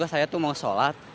saya tuh mau solat